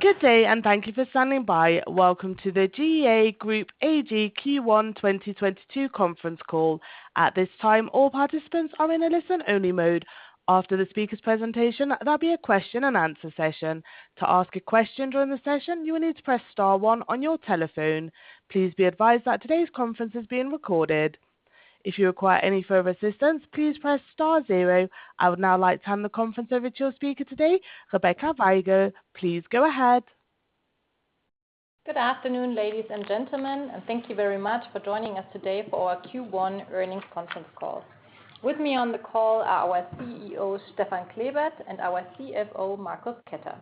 Good day and thank you for standing by. Welcome to the GEA Group AG Q1 2022 conference call. At this time, all participants are in a listen-only mode. After the speaker's presentation, there'll be a question-and-answer session. To ask a question during the session, you will need to press star one on your telephone. Please be advised that today's conference is being recorded. If you require any further assistance, please press star zero. I would now like to hand the conference over to your speaker today, Rebecca Weigl. Please go ahead. Good afternoon, ladies and gentlemen, and thank you very much for joining us today for our Q1 earnings conference call. With me on the call are our CEO, Stefan Klebert, and our CFO, Marcus Ketter.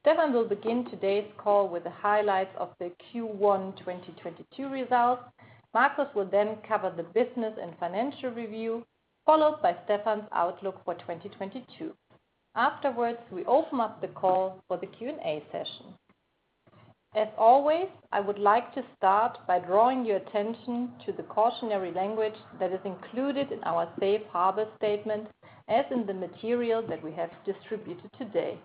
Stefan will begin today's call with the highlights of the Q1 2022 results. Marcus will then cover the business and financial review, followed by Stefan's outlook for 2022. Afterwards, we open up the call for the Q&A session. As always, I would like to start by drawing your attention to the cautionary language that is included in our safe harbor statement, as in the material that we have distributed today.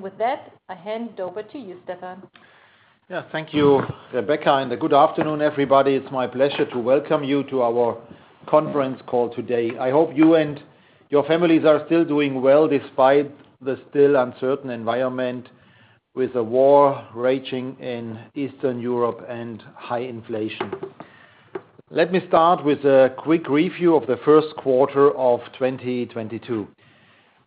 With that, I hand it over to you, Stefan. Yeah, thank you, Rebecca, and good afternoon, everybody. It's my pleasure to welcome you to our conference call today. I hope you and your families are still doing well despite the still uncertain environment with the war raging in Eastern Europe and high inflation. Let me start with a quick review of the first quarter of 2022.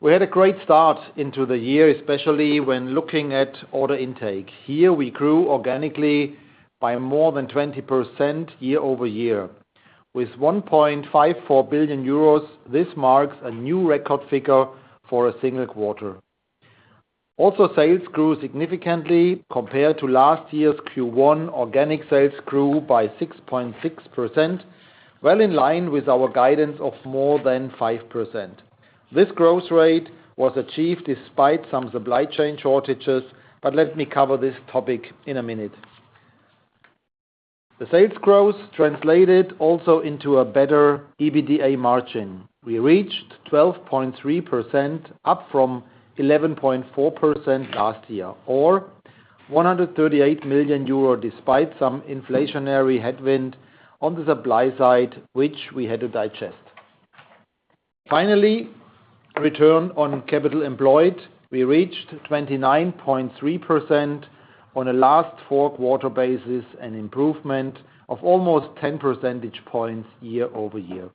We had a great start into the year, especially when looking at order intake. Here, we grew organically by more than 20% year-over-year. With 1.54 billion euros, this marks a new record figure for a single quarter. Also, sales grew significantly compared to last year's Q1. Organic sales grew by 6.6%, well in line with our guidance of more than 5%. This growth rate was achieved despite some supply chain shortages, but let me cover this topic in a minute. The sales growth translated also into a better EBITDA margin. We reached 12.3%, up from 11.4% last year, or 138 million euro, despite some inflationary headwind on the supply side, which we had to digest. Finally, return on capital employed, we reached 29.3% on a last four quarter basis, an improvement of almost 10 percentage points year-over-year.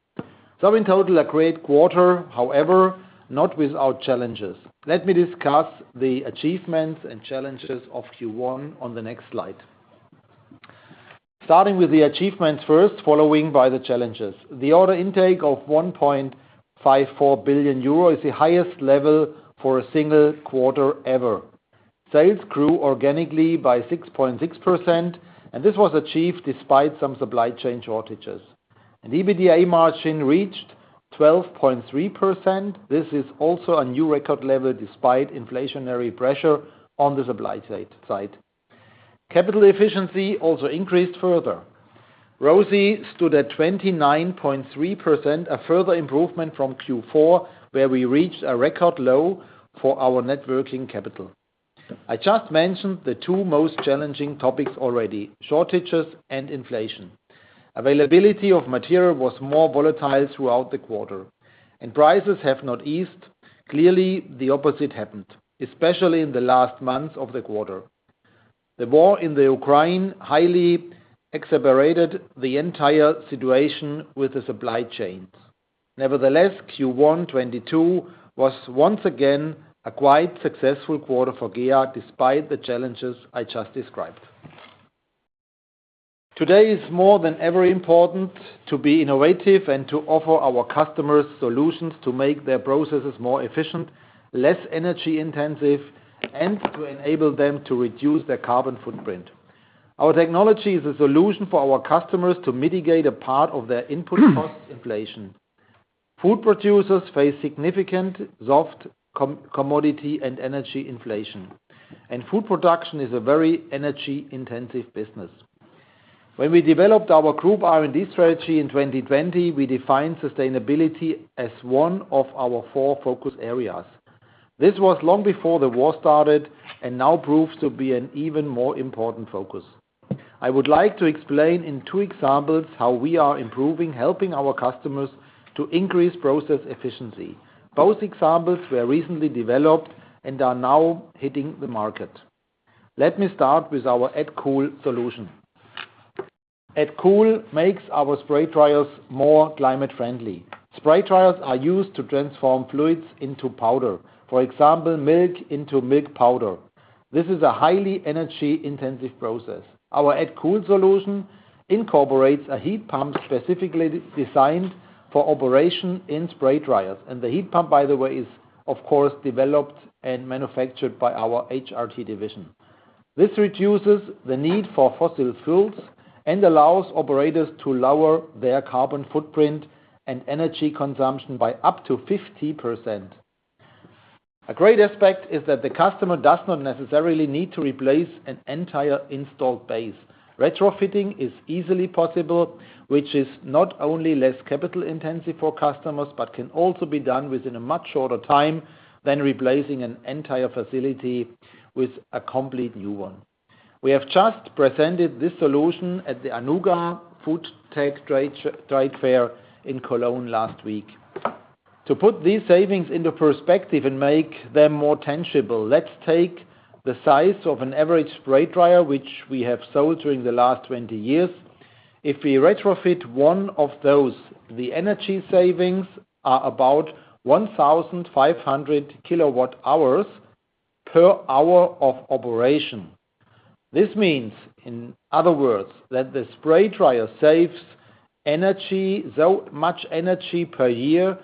In total, a great quarter, however, not without challenges. Let me discuss the achievements and challenges of Q1 on the next slide. Starting with the achievements first, followed by the challenges. The order intake of 1.54 billion euro is the highest level for a single quarter ever. Sales grew organically by 6.6%, and this was achieved despite some supply chain shortages. EBITDA margin reached 12.3%. This is also a new record level despite inflationary pressure on the supply side. Capital efficiency also increased further. ROCE stood at 29.3%, a further improvement from Q4, where we reached a record low for our net working capital. I just mentioned the two most challenging topics already, shortages and inflation. Availability of material was more volatile throughout the quarter, and prices have not eased. Clearly, the opposite happened, especially in the last months of the quarter. The war in the Ukraine highly exacerbated the entire situation with the supply chains. Nevertheless, Q1 2022 was once again a quite successful quarter for GEA, despite the challenges I just described. Today is more than ever important to be innovative and to offer our customers solutions to make their processes more efficient, less energy-intensive, and to enable them to reduce their carbon footprint. Our technology is a solution for our customers to mitigate a part of their input cost inflation. Food producers face significant soft commodity and energy inflation, and food production is a very energy-intensive business. When we developed our Group R&D strategy in 2020, we defined sustainability as one of our four focus areas. This was long before the war started and now proves to be an even more important focus. I would like to explain in two examples how we are improving, helping our customers to increase process efficiency. Both examples were recently developed and are now hitting the market. Let me start with our AddCool solution. AddCool makes our spray dryers more climate friendly. Spray dryers are used to transform fluids into powder, for example, milk into milk powder. This is a highly energy-intensive process. Our AddCool solution incorporates a heat pump specifically designed for operation in spray dryers. The heat pump, by the way, is of course developed and manufactured by our HRT division. This reduces the need for fossil fuels and allows operators to lower their carbon footprint and energy consumption by up to 50%. A great aspect is that the customer does not necessarily need to replace an entire installed base. Retrofitting is easily possible, which is not only less capital-intensive for customers, but can also be done within a much shorter time than replacing an entire facility with a complete new one. We have just presented this solution at the Anuga FoodTec trade fair in Cologne last week. To put these savings into perspective and make them more tangible, let's take the size of an average spray dryer, which we have sold during the last 20 years. If we retrofit one of those, the energy savings are about 1,500 kWh per hour of operation. This means, in other words, that the spray dryer saves energy, so much energy per year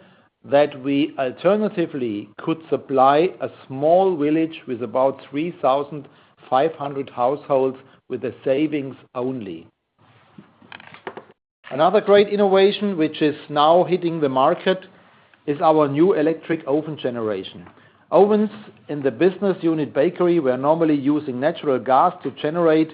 that we alternatively could supply a small village with about 3,500 households with the savings only. Another great innovation, which is now hitting the market, is our new electric oven generation. Ovens in the business unit bakery were normally using natural gas to generate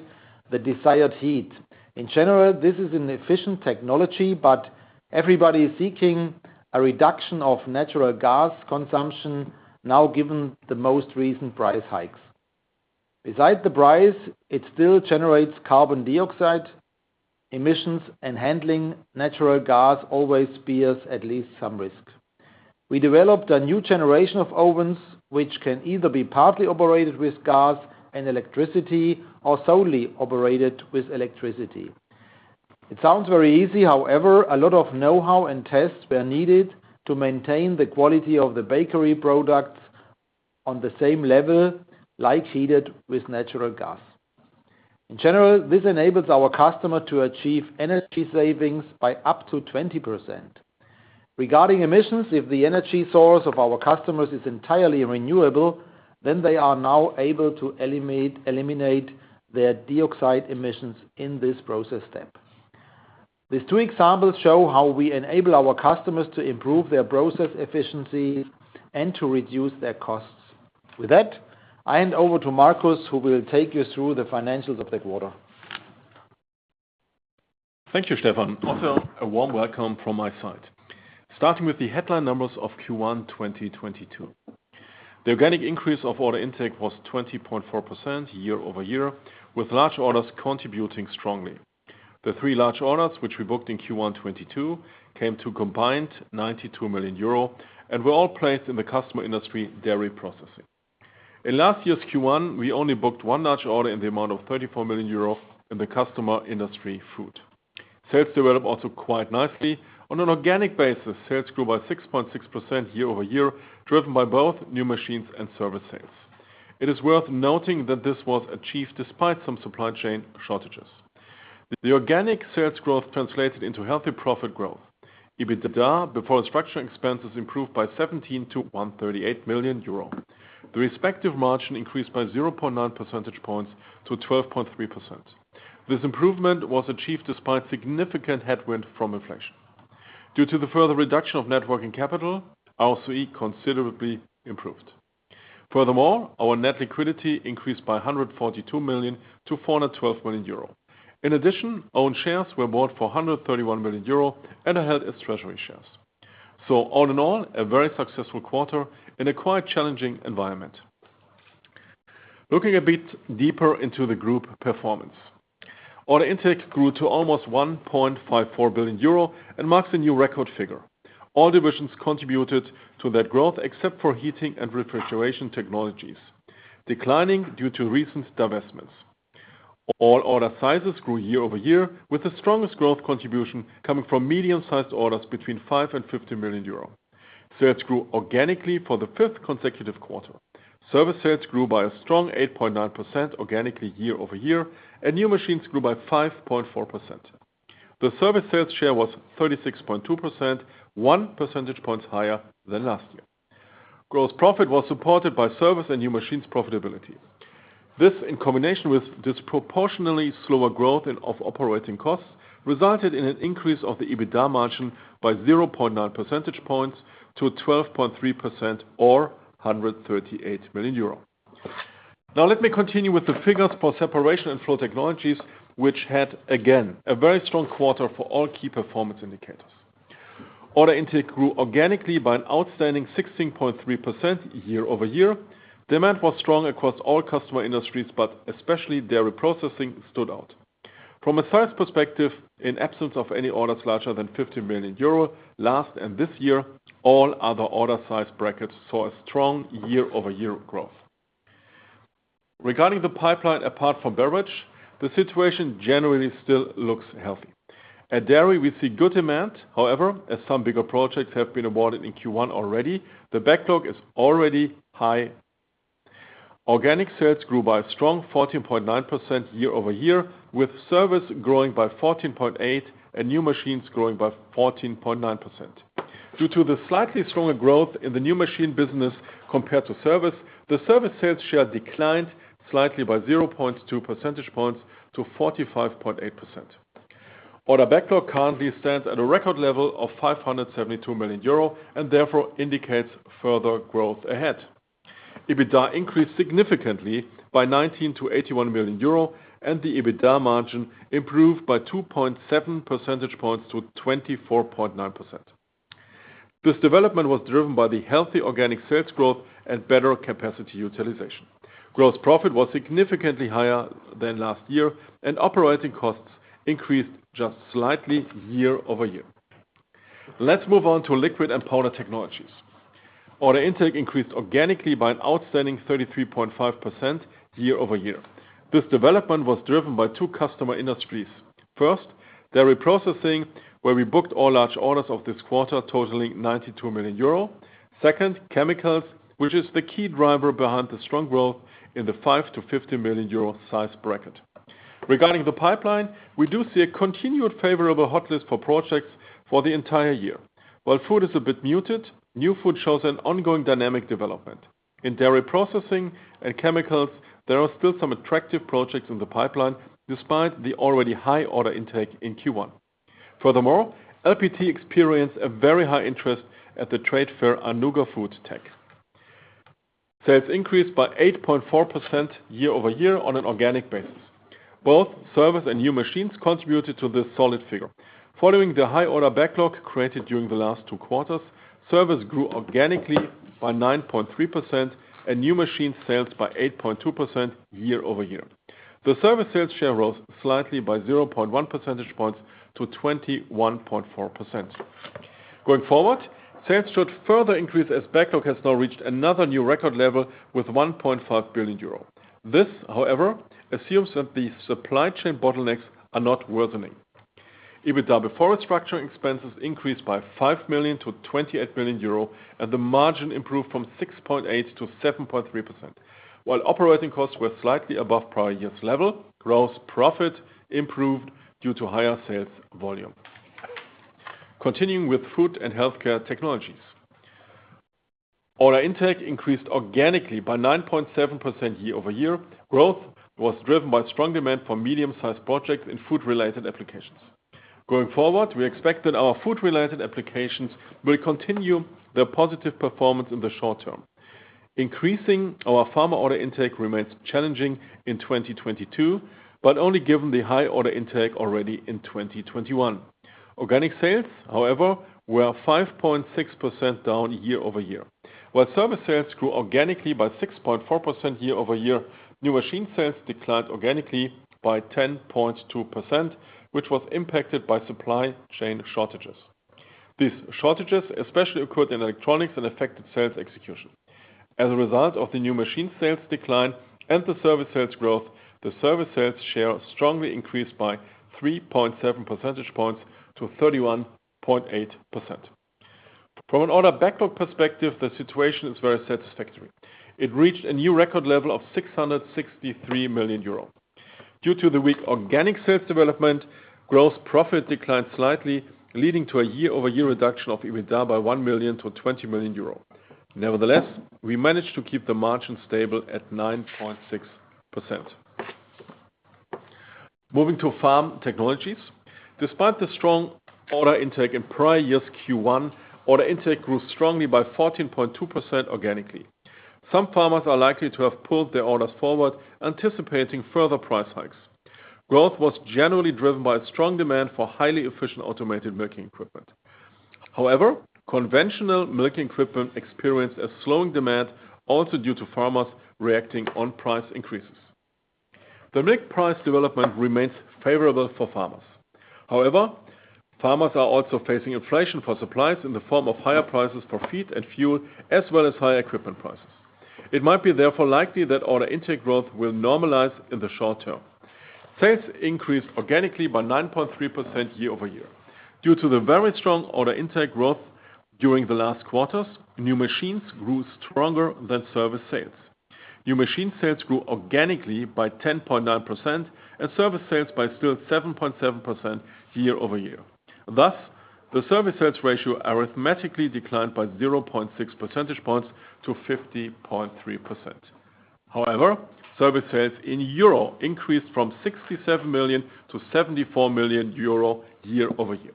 the desired heat. In general, this is an efficient technology, but everybody is seeking a reduction of natural gas consumption now given the most recent price hikes. Besides the price, it still generates carbon dioxide emissions and handling natural gas always bears at least some risk. We developed a new generation of ovens, which can either be partly operated with gas and electricity or solely operated with electricity. It sounds very easy, however, a lot of know-how and tests were needed to maintain the quality of the bakery products on the same level as heated with natural gas. In general, this enables our customer to achieve energy savings by up to 20%. Regarding emissions, if the energy source of our customers is entirely renewable, then they are now able to eliminate their CO2 emissions in this process step. These two examples show how we enable our customers to improve their process efficiency and to reduce their costs. With that, I hand over to Marcus, who will take you through the financials of the quarter. Thank you, Stefan. Also, a warm welcome from my side. Starting with the headline numbers of Q1 2022. The organic increase of order intake was 20.4% year-over-year, with large orders contributing strongly. The three large orders which we booked in Q1 2022 came to a combined 92 million euro and were all placed in the customer industry dairy processing. In last year's Q1, we only booked one large order in the amount of 34 million euro in the customer industry food. Sales developed also quite nicely. On an organic basis, sales grew by 6.6% year-over-year, driven by both new machines and service sales. It is worth noting that this was achieved despite some supply chain shortages. The organic sales growth translated into healthy profit growth. EBITDA before structuring expenses improved by 17% to 138 million euro. The respective margin increased by 0.9 percentage points to 12.3%. This improvement was achieved despite significant headwind from inflation. Due to the further reduction of net working capital, our ROCE considerably improved. Furthermore, our net liquidity increased by 142 million to 412 million euro. In addition, own shares were bought for 131 million euro and are held as treasury shares. All in all, a very successful quarter in a quite challenging environment. Looking a bit deeper into the group performance. Order intake grew to almost 1.54 billion euro and marks a new record figure. All divisions contributed to that growth, except for Heating & Refrigeration Technologies, declining due to recent divestments. All order sizes grew year-over-year, with the strongest growth contribution coming from medium-sized orders between 5 million and 50 million euros. Sales grew organically for the fifth consecutive quarter. Service sales grew by a strong 8.9% organically year-over-year, and new machines grew by 5.4%. The service sales share was 36.2%, one percentage point higher than last year. Gross profit was supported by service and new machines profitability. This, in combination with disproportionally slower growth of operating costs, resulted in an increase of the EBITDA margin by 0.9 percentage points to 12.3% or 138 million euro. Now let me continue with the figures for Separation & Flow Technologies, which had again a very strong quarter for all key performance indicators. Order intake grew organically by an outstanding 16.3% year-over-year. Demand was strong across all customer industries, but especially dairy processing stood out. From a sales perspective, in absence of any orders larger than 50 million euro last and this year, all other order size brackets saw a strong year-over-year growth. Regarding the pipeline, apart from beverage, the situation generally still looks healthy. At dairy, we see good demand. However, as some bigger projects have been awarded in Q1 already, the backlog is already high. Organic sales grew by a strong 14.9% year-over-year, with service growing by 14.8% and new machines growing by 14.9%. Due to the slightly stronger growth in the new machine business compared to service, the service sales share declined slightly by 0.2 percentage points to 45.8%. Order backlog currently stands at a record level of 572 million euro and therefore indicates further growth ahead. EBITDA increased significantly from 19 to 81 million euro and the EBITDA margin improved by 2.7 percentage points to 24.9%. This development was driven by the healthy organic sales growth and better capacity utilization. Gross profit was significantly higher than last year, and operating costs increased just slightly year-over-year. Let's move on to Liquid & Powder Technologies. Order intake increased organically by an outstanding 33.5% year-over-year. This development was driven by two customer industries. First, dairy processing, where we booked all large orders of this quarter totaling 92 million euro. Second, chemicals, which is the key driver behind the strong growth in the 5 million-50 million euro size bracket. Regarding the pipeline, we do see a continued favorable hotlist for projects for the entire year. While food is a bit muted, new food shows an ongoing dynamic development. In dairy processing and chemicals, there are still some attractive projects in the pipeline despite the already high order intake in Q1. Furthermore, LPT experienced a very high interest at the trade fair, Anuga FoodTec. Sales increased by 8.4% year-over-year on an organic basis. Both service and new machines contributed to this solid figure. Following the high order backlog created during the last two quarters, service grew organically by 9.3% and new machine sales by 8.2% year-over-year. The service sales share rose slightly by 0.1 percentage points to 21.4%. Going forward, sales should further increase as backlog has now reached another new record level with 1.5 billion euro. This, however, assumes that the supply chain bottlenecks are not worsening. EBITDA before structural expenses increased by 5 million to 28 million euro, and the margin improved from 6.8%-7.3%. While operating costs were slightly above prior year's level, gross profit improved due to higher sales volume. Continuing with Food & Healthcare Technologies. Order intake increased organically by 9.7% year-over-year. Growth was driven by strong demand for medium-sized projects in food-related applications. Going forward, we expect that our food-related applications will continue their positive performance in the short term. Increasing our pharma order intake remains challenging in 2022, but only given the high order intake already in 2021. Organic sales, however, were 5.6% down year-over-year. While service sales grew organically by 6.4% year-over-year, new machine sales declined organically by 10.2%, which was impacted by supply chain shortages. These shortages especially occurred in electronics and affected sales execution. As a result of the new machine sales decline and the service sales growth, the service sales share strongly increased by 3.7 percentage points to 31.8%. From an order backlog perspective, the situation is very satisfactory. It reached a new record level of 663 million euro. Due to the weak organic sales development, gross profit declined slightly, leading to a year-over-year reduction of EBITDA by 1 million to 20 million euro. Nevertheless, we managed to keep the margin stable at 9.6%. Moving to Farm Technologies. Despite the strong order intake in prior year's Q1, order intake grew strongly by 14.2% organically. Some farmers are likely to have pulled their orders forward, anticipating further price hikes. Growth was generally driven by a strong demand for highly efficient automated milking equipment. However, conventional milking equipment experienced a slowing demand also due to farmers reacting on price increases. The milk price development remains favorable for farmers. However, farmers are also facing inflation for supplies in the form of higher prices for feed and fuel, as well as higher equipment prices. It might be therefore likely that order intake growth will normalize in the short term. Sales increased organically by 9.3% year-over-year. Due to the very strong order intake growth during the last quarters, new machines grew stronger than service sales. New machine sales grew organically by 10.9% and service sales by still 7.7% year-over-year. Thus, the service sales ratio arithmetically declined by 0.6 percentage points to 50.3%. However, service sales in EUR increased from 67 million to 74 million euro year-over-year.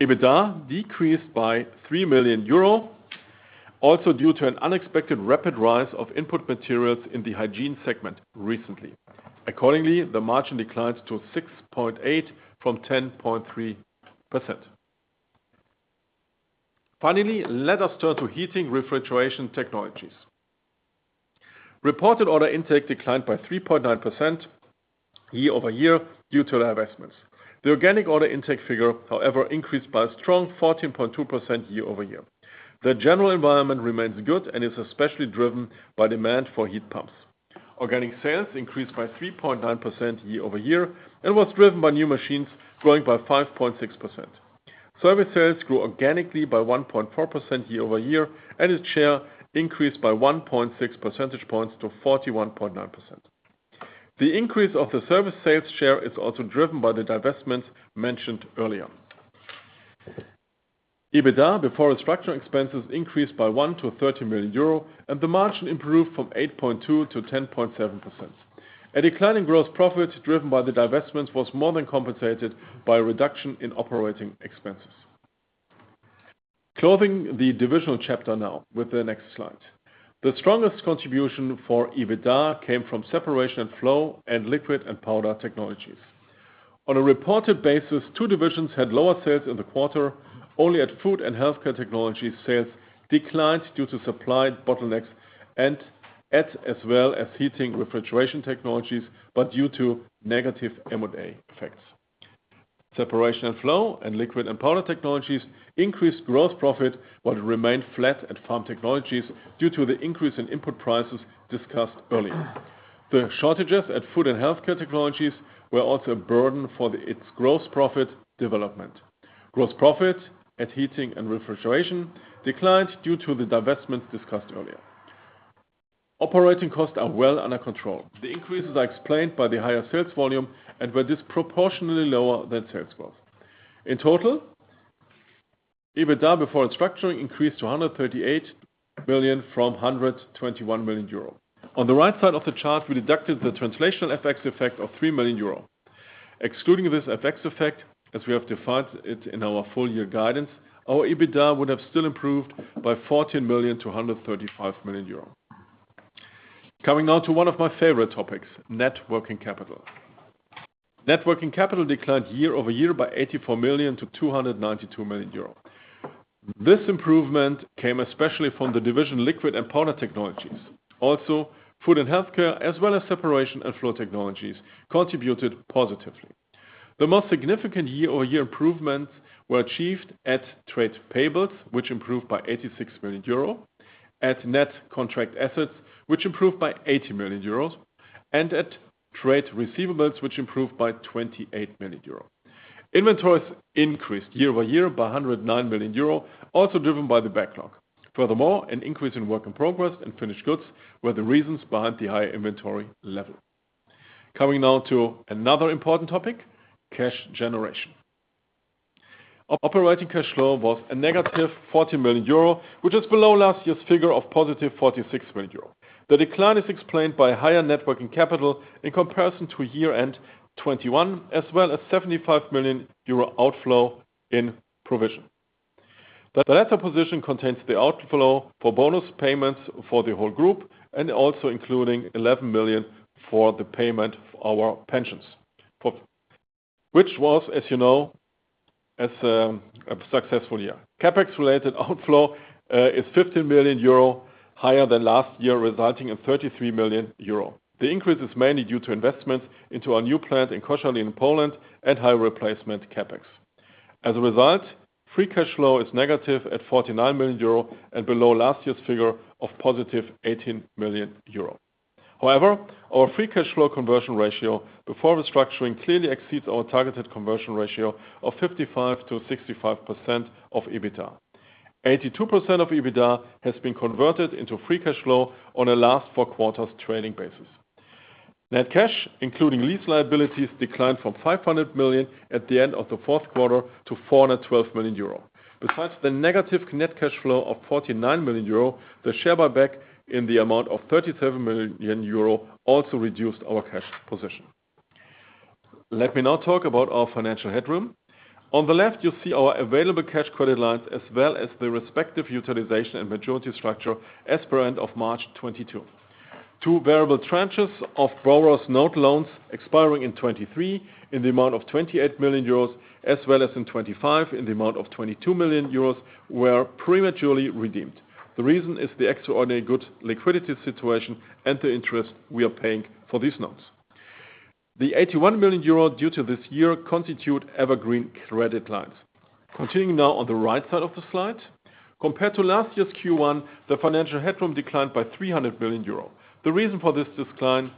EBITDA decreased by 3 million euro, also due to an unexpected rapid rise of input materials in the hygiene segment recently. Accordingly, the margin declined to 6.8% from 10.3%. Finally, let us turn to Heating & Refrigeration Technologies. Reported order intake declined by 3.9% year-over-year due to divestments. The organic order intake figure, however, increased by a strong 14.2% year-over-year. The general environment remains good and is especially driven by demand for heat pumps. Organic sales increased by 3.9% year-over-year and was driven by new machines growing by 5.6%. Service sales grew organically by 1.4% year-over-year, and its share increased by 1.6 percentage points to 41.9%. The increase of the service sales share is also driven by the divestments mentioned earlier. EBITDA before structural expenses increased by 130 million euro, and the margin improved from 8.2% to 10.7%. A decline in gross profit driven by the divestments was more than compensated by a reduction in operating expenses. Closing the divisional chapter now with the next slide. The strongest contribution for EBITDA came from Separation & Flow Technologies and Liquid & Powder Technologies. On a reported basis, two divisions had lower sales in the quarter. Only at Food & Healthcare Technologies, sales declined due to supply bottlenecks, as well as Heating & Refrigeration Technologies, but due to negative M&A effects. Separation & Flow and Liquid & Powder Technologies increased gross profit, but remained flat at Farm Technologies due to the increase in input prices discussed earlier. The shortages at Food & Healthcare Technologies were also a burden for its gross profit development. Gross profit at Heating & Refrigeration declined due to the divestments discussed earlier. Operating costs are well under control. The increases are explained by the higher sales volume and were disproportionately lower than sales growth. In total, EBITDA before restructuring increased to 138 million from 121 million euro. On the right side of the chart, we deducted the translational FX effect of 3 million euro. Excluding this FX effect, as we have defined it in our full year guidance, our EBITDA would have still improved by 14 million to 135 million euros. Coming now to one of my favorite topics, net working capital. Net working capital declined year-over-year by 84 million to 292 million euro. This improvement came especially from the division Liquid & Powder Technologies. Also, Food & Healthcare Technologies, as well as Separation & Flow Technologies contributed positively. The most significant year-over-year improvements were achieved at trade payables, which improved by 86 million euro, at net contract assets, which improved by 80 million euros, and at trade receivables, which improved by 28 million euro. Inventories increased year-over-year by 109 million euro, also driven by the backlog. Furthermore, an increase in work in progress and finished goods were the reasons behind the high inventory level. Coming now to another important topic, cash generation. Operating cash flow was a negative 40 million euro, which is below last year's figure of positive 46 million euro. The decline is explained by higher net working capital in comparison to year-end 2021, as well as 75 million euro outflow in provision. The latter position contains the outflow for bonus payments for the whole group and also including 11 million for the payment of our pensions. Which was, as you know, a successful year. CapEx-related outflow is 50 million euro, higher than last year, resulting in 33 million euro. The increase is mainly due to investments into our new plant in Koszalin, Poland, and high replacement CapEx. As a result, free cash flow is negative at 49 million euro and below last year's figure of positive 18 million euro. However, our free cash flow conversion ratio before restructuring clearly exceeds our targeted conversion ratio of 55%-65% of EBITDA. 82% of EBITDA has been converted into free cash flow on a last four quarters trading basis. Net cash, including lease liabilities, declined from 500 million at the end of the fourth quarter to 412 million euro. Besides the negative net cash flow of 49 million euro, the share buyback in the amount of 37 million euro also reduced our cash position. Let me now talk about our financial headroom. On the left, you'll see our available cash credit lines, as well as the respective utilization and maturity structure as per end of March 2022. Two variable tranches of borrower's note loans expiring in 2023 in the amount of 28 million euros, as well as in 2025 in the amount of 22 million euros, were prematurely redeemed. The reason is the extraordinary good liquidity situation and the interest we are paying for these notes. The 81 million euro due to this year constitute evergreen credit lines. Continuing now on the right side of the slide, compared to last year's Q1, the financial headroom declined by 300 million euro. The reason for this decline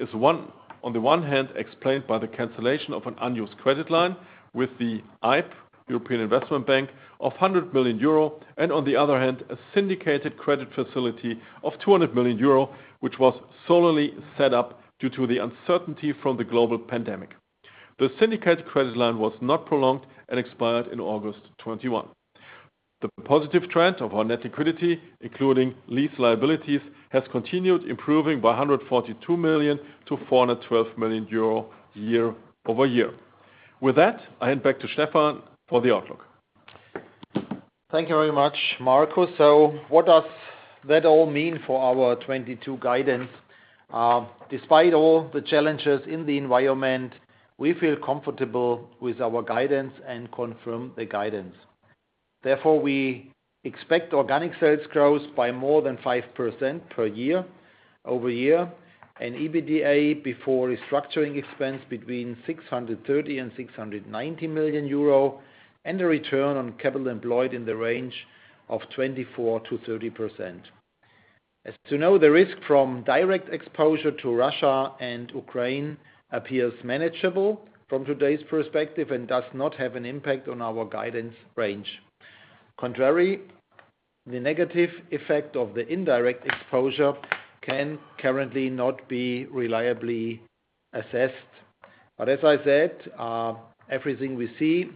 is one, on the one hand explained by the cancellation of an unused credit line with the EIB, European Investment Bank, of 100 million euro. On the other hand, a syndicated credit facility of 200 million euro, which was solely set up due to the uncertainty from the global pandemic. The syndicated credit line was not prolonged and expired in August 2021. The positive trend of our net liquidity, including lease liabilities, has continued improving by 142 million to 412 million euro year-over-year. With that, I hand back to Stefan for the outlook. Thank you very much, Marcus. What does that all mean for our 2022 guidance? Despite all the challenges in the environment, we feel comfortable with our guidance and confirm the guidance. Therefore, we expect organic sales growth by more than 5% year-over-year, and EBITDA before restructuring expense between 630 million and 690 million euro, and a return on capital employed in the range of 24%-30%. As of now, the risk from direct exposure to Russia and Ukraine appears manageable from today's perspective and does not have an impact on our guidance range. Contrary, the negative effect of the indirect exposure can currently not be reliably assessed. But as I said, everything we see,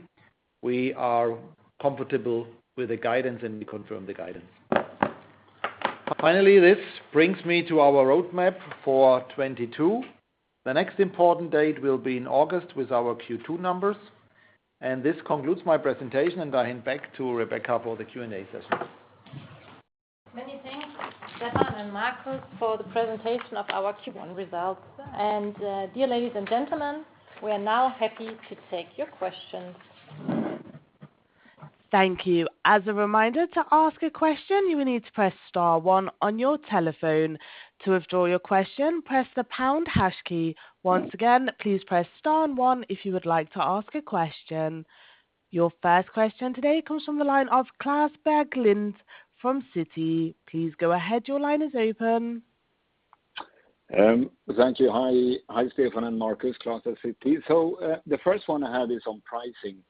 we are comfortable with the guidance and we confirm the guidance. Finally, this brings me to our roadmap for 2022. The next important date will be in August with our Q2 numbers. This concludes my presentation, and I hand back to Rebecca for the Q&A session. Many thanks, Stefan and Marcus, for the presentation of our Q1 results. Dear ladies and gentlemen, we are now happy to take your questions. Thank you. As a reminder, to ask a question, you will need to press star one on your telephone. To withdraw your question, press the pound hash key. Once again, please press star one if you would like to ask a question. Your first question today comes from the line of Klas Bergelind from Citi. Please go ahead. Your line is open. Thank you. Hi. Hi, Stefan and Marcus, Klas at Citi. The first one I have is on pricing.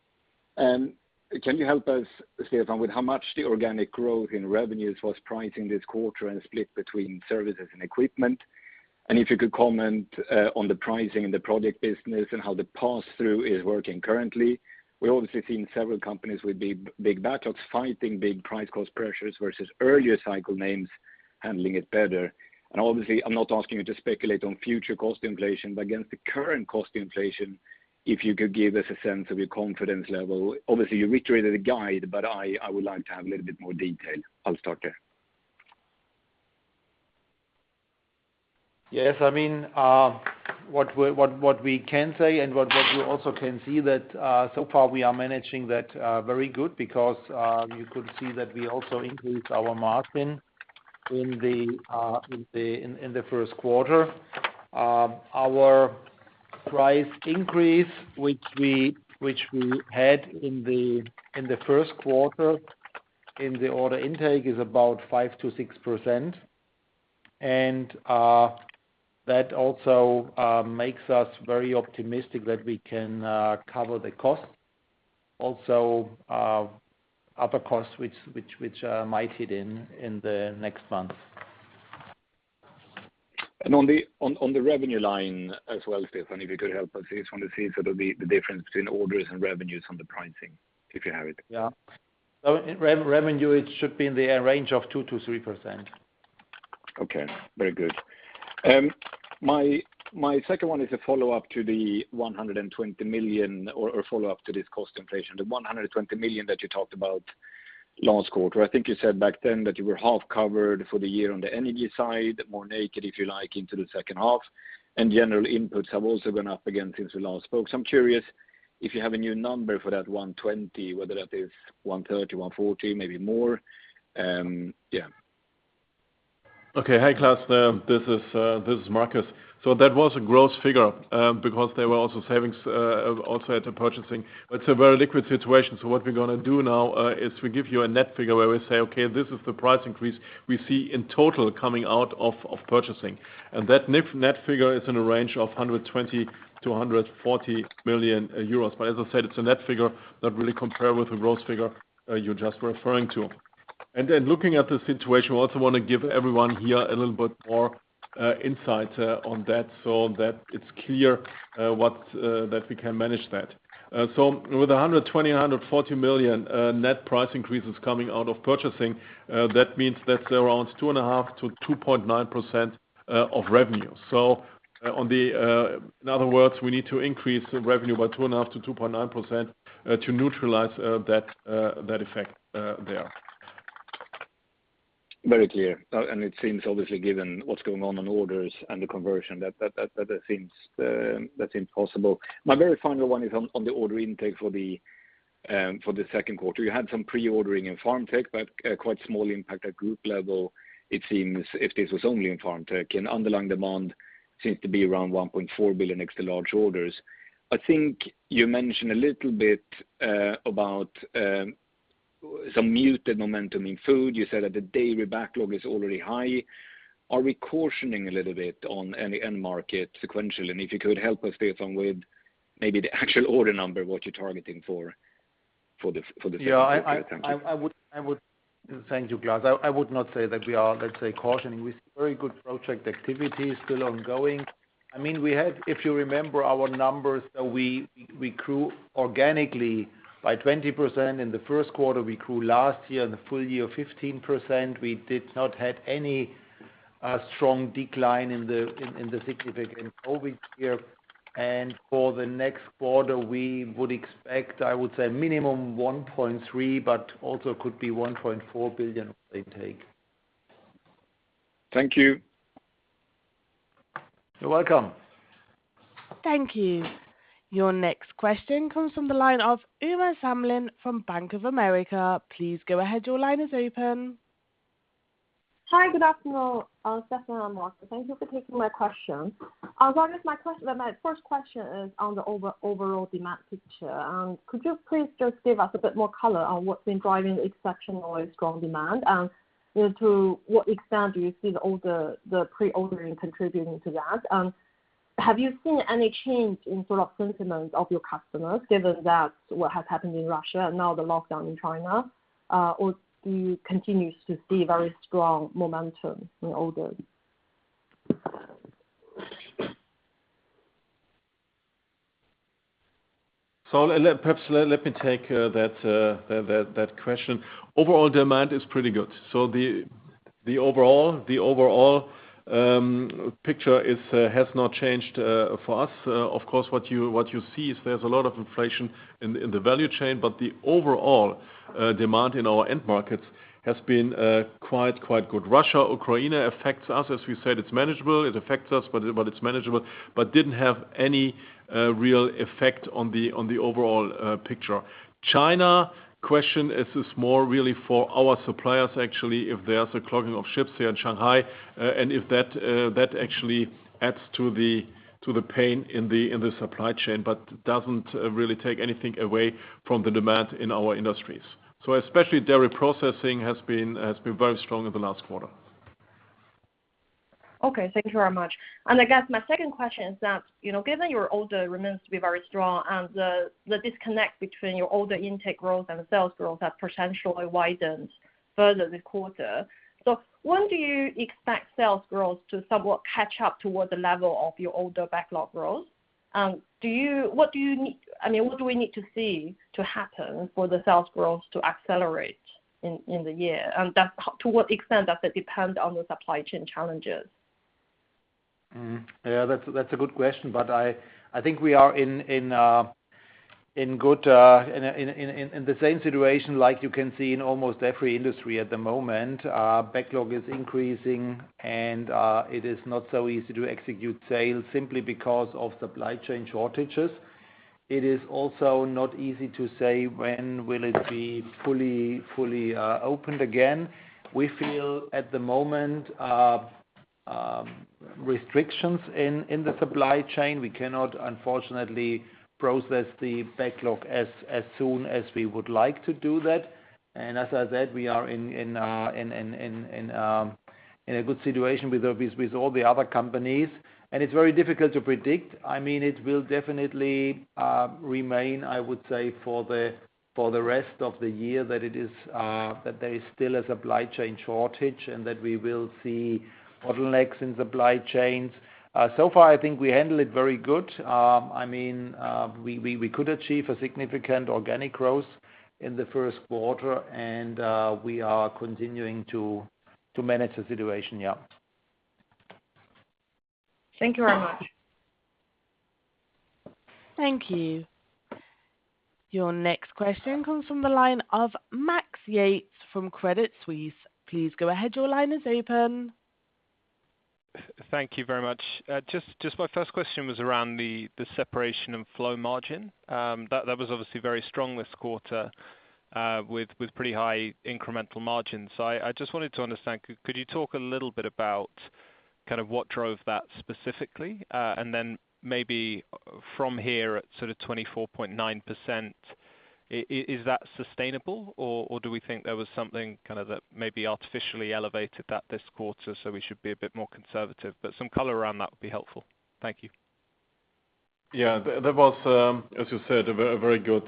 Can you help us, Stefan, with how much the organic growth in revenues was pricing this quarter and split between services and equipment? If you could comment on the pricing in the product business and how the pass-through is working currently. We've obviously seen several companies with big backlogs fighting big price cost pressures versus earlier cycle names handling it better. Obviously I'm not asking you to speculate on future cost inflation, but against the current cost inflation, if you could give us a sense of your confidence level. Obviously, you reiterated a guide, but I would like to have a little bit more detail. I'll start there. Yes. I mean, what we can say and what you also can see that, so far we are managing that very good because you could see that we also increased our margin in the first quarter. Our price increase, which we had in the first quarter in the order intake is about 5%-6%. That also makes us very optimistic that we can cover the cost. Also, other costs which might hit in the next month. On the revenue line as well, Stefan, if you could help us here from the screen, sort of the difference between orders and revenues on the pricing, if you have it. Revenue, it should be in the range of 2%-3%. Okay. Very good. My second one is a follow-up to the 120 million, or follow-up to this cost inflation, the 120 million that you talked about last quarter. I think you said back then that you were half covered for the year on the energy side, more naked, if you like, into the second half. General inputs have also gone up again since we last spoke. I'm curious if you have a new number for that one twenty, whether that is one thirty, one forty, maybe more. Yeah. Okay. Hi, Klas. This is Marcus. That was a gross figure, because there were also savings also at the purchasing. It's a very fluid situation, so what we're gonna do now is to give you a net figure where we say, "Okay, this is the price increase we see in total coming out of purchasing." That net figure is in a range of 120 million-140 million euros. As I said, it's a net figure, not really comparable to gross figure you're just referring to. Then looking at the situation, we also wanna give everyone here a little bit more insight on that so that it's clear what's that we can manage that. With 120-140 million net price increases coming out of purchasing, that means that's around 2.5%-2.9% of revenue. In other words, we need to increase the revenue by 2.5%-2.9% to neutralize that effect there. Very clear. It seems obviously, given what's going on on orders and the conversion that that seems possible. My very final one is on the order intake for the second quarter. You had some pre-ordering in farm tech, but quite small impact at group level. It seems if this was only in farm tech and underlying demand seems to be around 1.4 billion extra large orders. I think you mentioned a little bit about some muted momentum in food. You said that the daily backlog is already high. Are we cautioning a little bit on any end market sequential? If you could help us, Stefan, with maybe the actual order number, what you're targeting for the second quarter. Thank you. Yeah. I would— Thank you, Klas. I would not say that we are, let's say, cautioning. We see very good project activity still ongoing. I mean, we had—If you remember our numbers, we grew organically by 20% in the first quarter. We grew last year in the full year 15%. We did not have any strong decline in the significant COVID year. For the next quarter, we would expect, I would say, minimum 1.3 billion, but also could be 1.4 billion intake. Thank you. You're welcome. Thank you. Your next question comes from the line of Uma Samlin from Bank of America. Please go ahead. Your line is open. Hi. Good afternoon, Stefan and Marcus. Thank you for taking my question. My first question is on the overall demand picture. Could you please just give us a bit more color on what's been driving exceptionally strong demand? You know, to what extent do you see the order, the pre-ordering contributing to that? Have you seen any change in sort of sentiment of your customers given that what has happened in Russia and now the lockdown in China? Or do you continue to see very strong momentum in orders? Perhaps let me take that question. Overall demand is pretty good. The overall, the picture has not changed for us. Of course what you see is there's a lot of inflation in the value chain, but the overall demand in our end markets has been quite good. Russia-Ukraine affects us. As we said, it's manageable. It affects us, but it's manageable, but didn't have any real effect on the overall picture. The China question is more really for our suppliers, actually, if there's a clogging of ships there in Shanghai, and if that actually adds to the pain in the supply chain, but doesn't really take anything away from the demand in our industries. Especially dairy processing has been very strong in the last quarter. Okay. Thank you very much. I guess my second question is that, you know, given your order intake remains to be very strong and the disconnect between your order intake growth and sales growth have potentially widened further this quarter. When do you expect sales growth to somewhat catch up toward the level of your order backlog growth? What do you need? I mean, what do we need to see to happen for the sales growth to accelerate in the year? To what extent does it depend on the supply chain challenges? Yeah, that's a good question. I think we are in the same situation like you can see in almost every industry at the moment. Backlog is increasing and it is not so easy to execute sales simply because of supply chain shortages. It is also not easy to say when will it be fully opened again. We feel at the moment restrictions in the supply chain. We cannot unfortunately process the backlog as soon as we would like to do that. As I said, we are in a good situation with all the other companies. It's very difficult to predict. I mean, it will definitely remain, I would say, for the rest of the year, that it is that there is still a supply chain shortage and that we will see bottlenecks in supply chains. So far I think we handle it very good. I mean, we could achieve a significant organic growth in the first quarter and we are continuing to manage the situation, yeah. Thank you very much. Thank you. Your next question comes from the line of Max Yates from Credit Suisse. Please go ahead. Your line is open. Thank you very much. Just my first question was around the Separation & Flow margin. That was obviously very strong this quarter, with pretty high incremental margins. I just wanted to understand, could you talk a little bit about kind of what drove that specifically? And then maybe from here at sort of 24.9%, is that sustainable or do we think there was something kind of that may be artificially elevated that this quarter, so we should be a bit more conservative? Some color around that would be helpful. Thank you. That was, as you said, a very good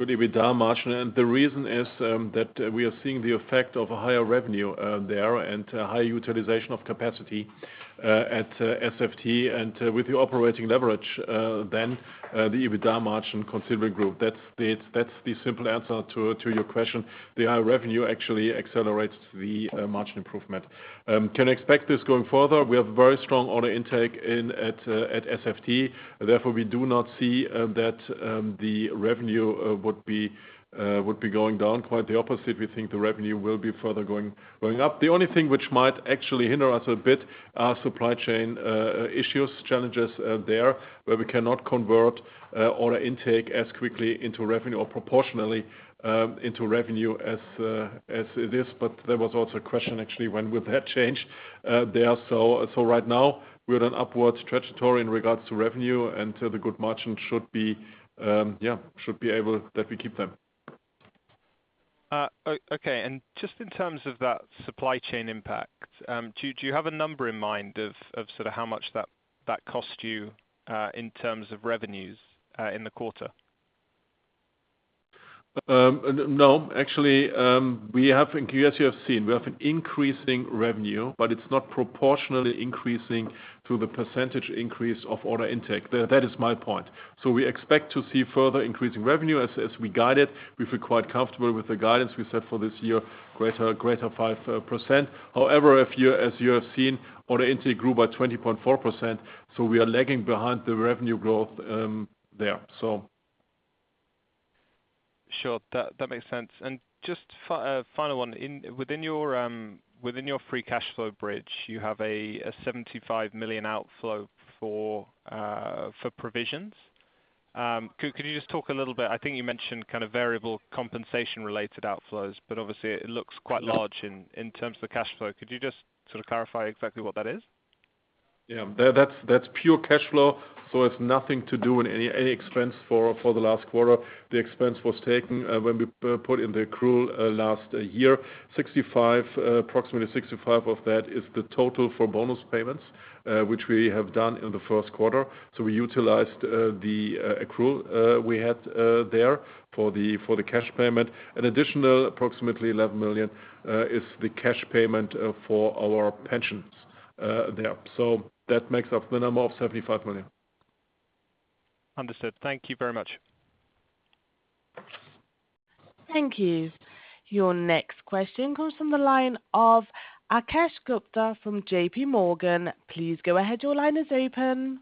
EBITDA margin. The reason is that we are seeing the effect of a higher revenue there and higher utilization of capacity at SFT and with the operating leverage, then the EBITDA margin considering growth. That's the simple answer to your question. The higher revenue actually accelerates the margin improvement. Can expect this going further. We have very strong order intake at SFT, therefore, we do not see that the revenue would be going down. Quite the opposite. We think the revenue will be further going up. The only thing which might actually hinder us a bit are supply chain issues, challenges there, where we cannot convert order intake as quickly into revenue or proportionally into revenue as it is. There was also a question actually when will that change, there. Right now we're on upwards trajectory in regards to revenue, and so the good margin should be able that we keep them. Okay. Just in terms of that supply chain impact, do you have a number in mind of sort of how much that cost you in terms of revenues in the quarter? No. Actually, we have, as you have seen, we have an increasing revenue, but it's not proportionally increasing through the percentage increase of order intake. That is my point. We expect to see further increasing revenue as we guide it. We feel quite comfortable with the guidance we set for this year, greater than 5%. However, as you have seen, order intake grew by 20.4%, so we are lagging behind the revenue growth there, so. Sure. That makes sense. Just final one. Within your free cash flow bridge, you have a 75 million outflow for provisions. Could you just talk a little bit, I think you mentioned kind of variable compensation related outflows, but obviously it looks quite large in terms of the cash flow. Could you just sort of clarify exactly what that is? Yeah. That's pure cash flow, so it's nothing to do with any expense for the last quarter. The expense was taken when we put in the accrual last year. Approximately 65 million of that is the total for bonus payments, which we have done in the first quarter. We utilized the accrual we had there for the cash payment. An additional approximately 11 million is the cash payment for our pensions there. That makes up the number of 75 million. Understood. Thank you very much. Thank you. Your next question comes from the line of Akash Gupta from J.P. Morgan. Please go ahead. Your line is open.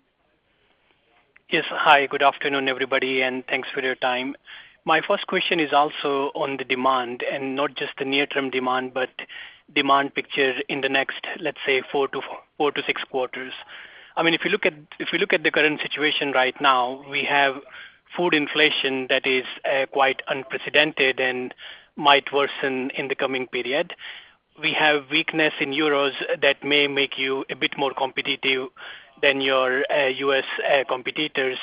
Yes. Hi, good afternoon, everybody, and thanks for your time. My first question is also on the demand and not just the near-term demand, but demand picture in the next, let's say, four to six quarters. I mean, if you look at the current situation right now, we have food inflation that is quite unprecedented and might worsen in the coming period. We have weakness in euro that may make you a bit more competitive than your U.S. competitors.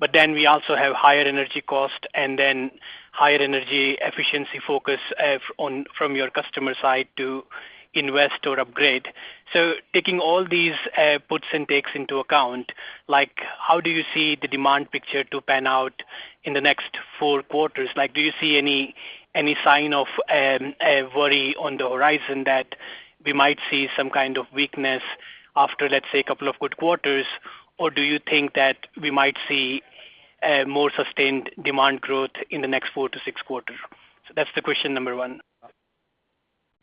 But then we also have higher energy cost and then higher energy efficiency focus from your customer side to invest or upgrade. Taking all these puts and takes into account, like, how do you see the demand picture to pan out in the next four quarters? Like, do you see any sign of a worry on the horizon that we might see some kind of weakness after, let's say, a couple of good quarters? Or do you think that we might see a more sustained demand growth in the next four to six quarters? That's the question number one.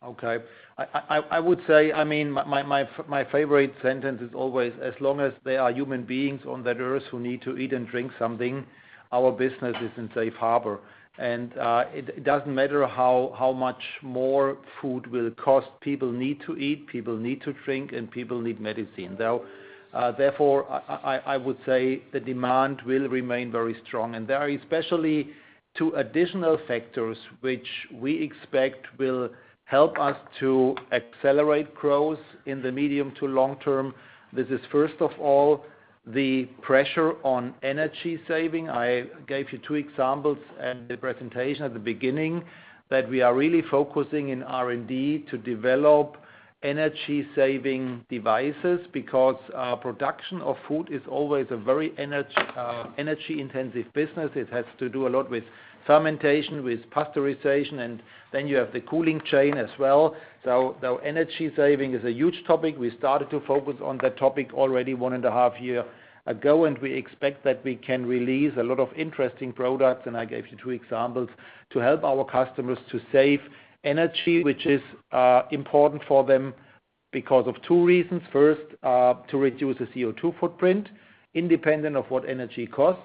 Okay. I would say, I mean, my favorite sentence is always, as long as there are human beings on that earth who need to eat and drink something, our business is in safe harbor. It doesn't matter how much more food will cost, people need to eat, people need to drink, and people need medicine. Therefore, I would say the demand will remain very strong. There are especially two additional factors which we expect will help us to accelerate growth in the medium to long term. This is, first of all, the pressure on energy saving. I gave you two examples in the presentation at the beginning, that we are really focusing in R&D to develop energy-saving devices because production of food is always a very energy-intensive business. It has to do a lot with fermentation, with pasteurization, and then you have the cold chain as well. Energy saving is a huge topic. We started to focus on that topic already 1.5 year ago, and we expect that we can release a lot of interesting products, and I gave you two examples, to help our customers to save energy, which is important for them because of two reasons. First, to reduce the CO2 footprint independent of what energy costs.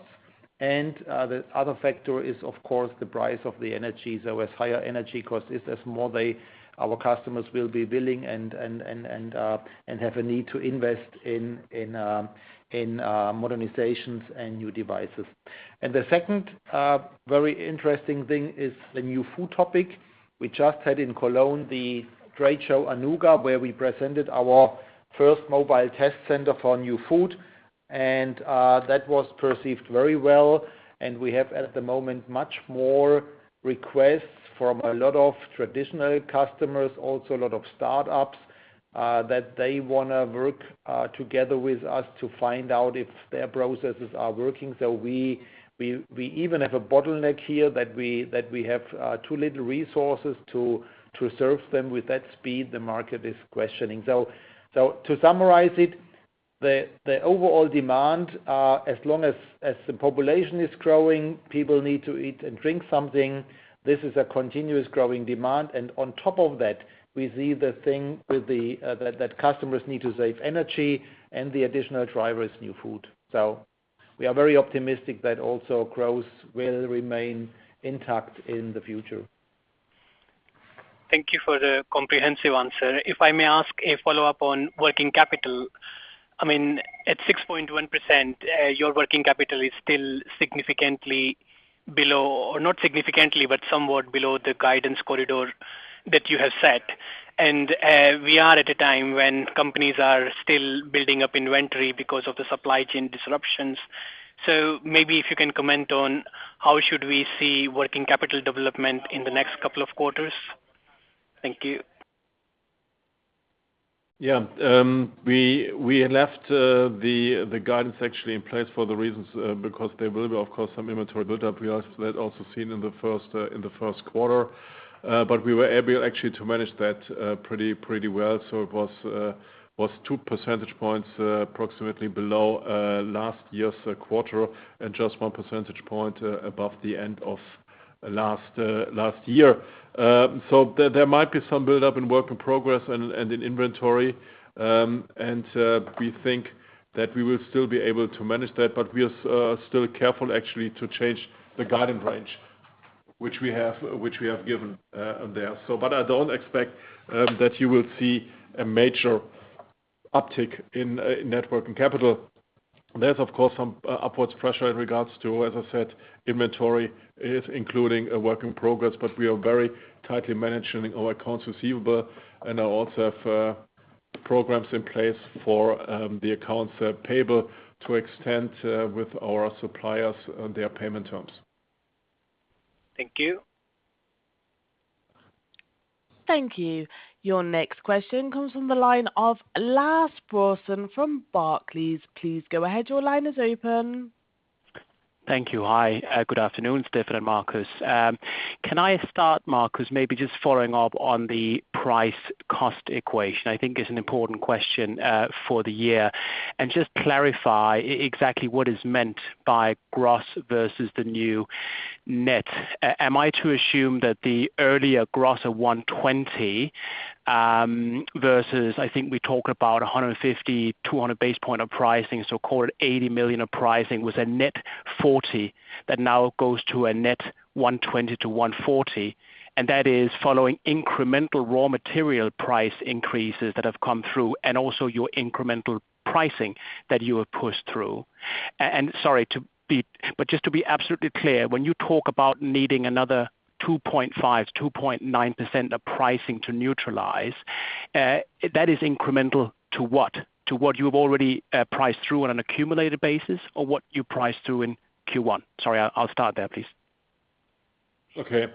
The other factor is, of course, the price of the energy. As higher energy cost is, as more our customers will be willing and have a need to invest in modernizations and new devices. The second very interesting thing is the new food topic. We just had in Cologne the trade show Anuga, where we presented our first mobile test center for new food and that was perceived very well. We have at the moment much more requests from a lot of traditional customers, also a lot of startups, that they wanna work together with us to find out if their processes are working. We even have a bottleneck here that we have too little resources to serve them with that speed the market is questioning. To summarize it, the overall demand as long as the population is growing, people need to eat and drink something. This is a continuous growing demand, and on top of that, we see the thing with the that customers need to save energy and the additional drivers new food. We are very optimistic that also growth will remain intact in the future. Thank you for the comprehensive answer. If I may ask a follow-up on working capital. I mean, at 6.1%, your working capital is still significantly below, or not significantly, but somewhat below the guidance corridor that you have set. We are at a time when companies are still building up inventory because of the supply chain disruptions. Maybe if you can comment on how should we see working capital development in the next couple of quarters? Thank you. Yeah. We left the guidance actually in place for the reasons because there will be, of course, some inventory build-up. We also, that was also seen in the first quarter. But we were able actually to manage that pretty well. It was two percentage points approximately below last year's quarter and just one percentage point above the end of last year. There might be some build-up in work in progress and in inventory. We think that we will still be able to manage that, but we are still careful actually to change the guidance range which we have given there. I don't expect that you will see a major uptick in net working capital. There's, of course, some upwards pressure in regards to, as I said, inventory is including a work in progress. We are very tightly managing our accounts receivable and now also have programs in place for the accounts payable to extend with our suppliers on their payment terms. Thank you. Thank you. Your next question comes from the line of Lars Brorson from Barclays. Please go ahead. Your line is open. Thank you. Hi. Good afternoon, Stefan and Marcus. Can I start, Marcus, maybe just following up on the price cost equation? I think is an important question for the year. Just clarify exactly what is meant by gross versus the new net. Am I to assume that the earlier gross of 120 versus I think we talked about 150, 200 basis points of pricing, so call it 80 million of pricing was a net 40 that now goes to a net 120-140, and that is following incremental raw material price increases that have come through and also your incremental pricing that you have pushed through. Sorry to be. But just to be absolutely clear, when you talk about needing another 2.5-2.9% of pricing to neutralize, that is incremental to what? To what you've already priced through on an accumulated basis or what you priced through in Q1? Sorry, I'll start there, please. Okay.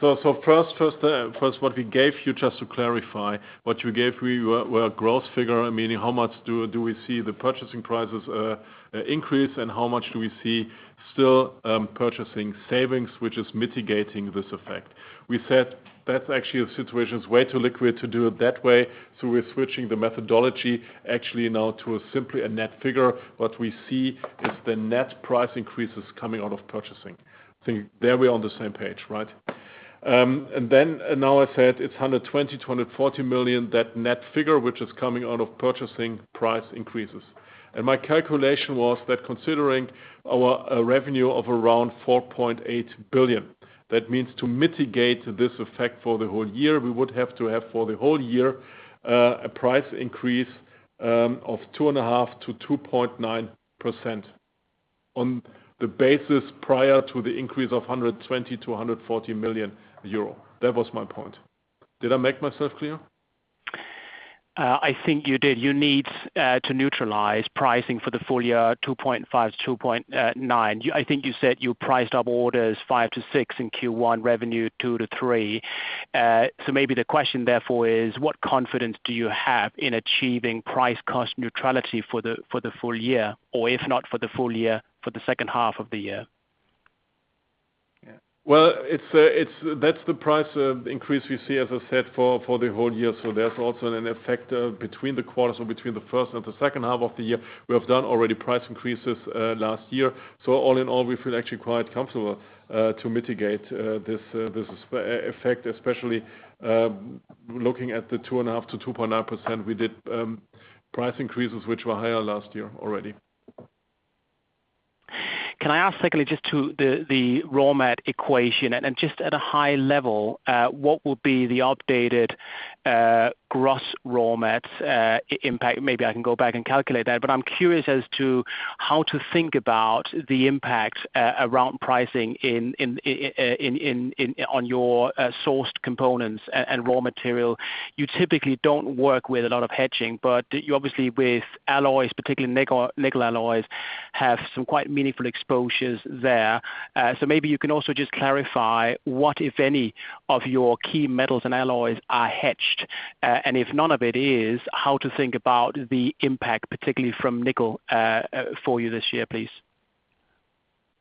First, what we gave you, just to clarify, was a gross figure, meaning how much do we see the purchasing prices increase and how much do we see still purchasing savings, which is mitigating this effect. We said that's actually a situation that's way too liquid to do it that way, so we're switching the methodology actually now to simply a net figure. What we see is the net price increases coming out of purchasing. There we're on the same page, right? Now I said it's 120 million-140 million, that net figure, which is coming out of purchasing price increases. My calculation was that considering our revenue of around 4.8 billion, that means to mitigate this effect for the whole year, we would have to have, for the whole year, a price increase of 2.5%-2.9% on the basis prior to the increase of 120 million-140 million euro. That was my point. Did I make myself clear? I think you did. You need to neutralize pricing for the full year, 2.5%-2.9%. I think you said you priced up orders 5%-6% in Q1, revenue 2%-3%. Maybe the question therefore is what confidence do you have in achieving price cost neutrality for the full year, or if not for the full year, for the second half of the year? That's the price increase we see, as I said, for the whole year. There's also an effect between the quarters or between the first and the second half of the year. We have done already price increases last year. All in all, we feel actually quite comfortable to mitigate this effect, especially looking at the 2.5%-2.9%. We did price increases which were higher last year already. Can I ask secondly just to the raw material equation, and just at a high level, what will be the updated gross raw materials impact? Maybe I can go back and calculate that, but I'm curious as to how to think about the impact around pricing in on your sourced components and raw material. You typically don't work with a lot of hedging, but you obviously with alloys, particularly nickel alloys, have some quite meaningful exposures there. Maybe you can also just clarify what, if any, of your key metals and alloys are hedged. If none of it is, how to think about the impact, particularly from nickel, for you this year, please.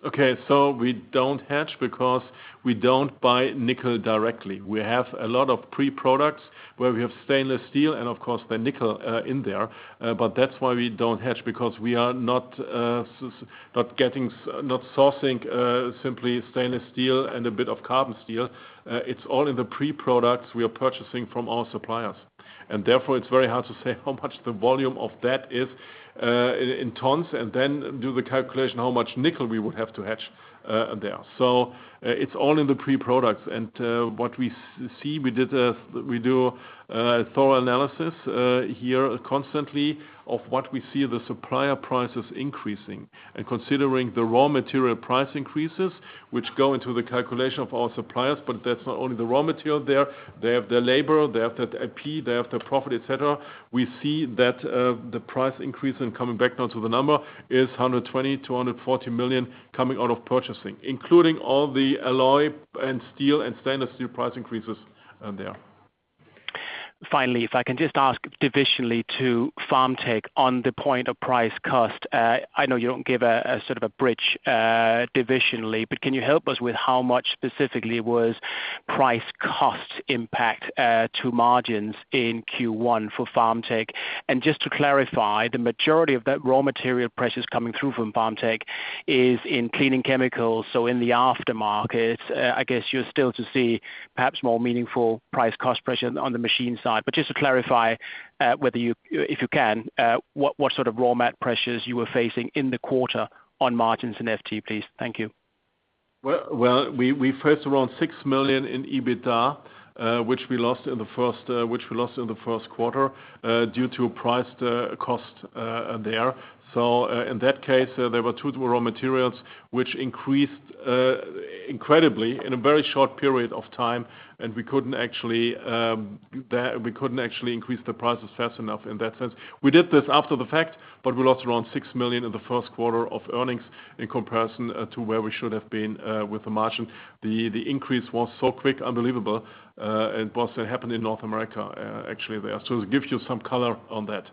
Okay. We don't hedge because we don't buy nickel directly. We have a lot of pre-products where we have stainless steel and of course the nickel in there. But that's why we don't hedge, because we are not sourcing simply stainless steel and a bit of carbon steel. It's all in the pre-products we are purchasing from our suppliers. Therefore it's very hard to say how much the volume of that is in tons, and then do the calculation how much nickel we would have to hedge there. It's all in the pre-products. What we see, we do a thorough analysis here constantly of what we see the supplier prices increasing. Considering the raw material price increases, which go into the calculation of our suppliers, but that's not only the raw material there. They have their labor, they have the EP, they have their profit, et cetera. We see that the price increase, and coming back now to the number, is 120 million-140 million coming out of purchasing, including all the alloy and steel and stainless steel price increases, there. Finally, if I can just ask divisionally to Farm Technologies on the point of price cost. I know you don't give a sort of bridge, divisionally, but can you help us with how much specifically was price cost impact to margins in Q1 for Farm Technologies? Just to clarify, the majority of that raw material pressures coming through from Farm Technologies is in cleaning chemicals, so in the aftermarket. I guess you're still to see perhaps more meaningful price cost pressure on the machine side. Just to clarify, if you can, what sort of raw mat pressures you were facing in the quarter on margins in FT, please. Thank you. Well, we faced around 6 million in EBITDA, which we lost in the first quarter due to price cost there. In that case, there were two raw materials which increased incredibly in a very short period of time, and we couldn't actually increase the prices fast enough in that sense. We did this after the fact, but we lost around 6 million in the first quarter of earnings in comparison to where we should have been with the margin. The increase was so quick, unbelievable, and plus it happened in North America actually there. It gives you some color on that.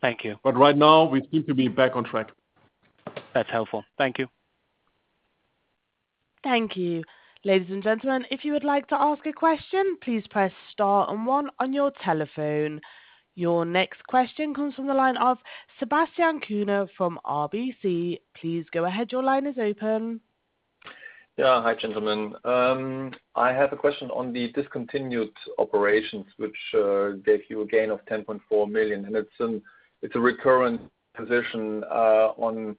Thank you. Right now, we seem to be back on track. That's helpful. Thank you. Thank you. Ladies and gentlemen, if you would like to ask a question, please press star and one on your telephone. Your next question comes from the line of Sebastian Kuenne from RBC. Please go ahead. Your line is open. Yeah. Hi, gentlemen. I have a question on the discontinued operations which gave you a gain of 10.4 million, and it's a recurrent position on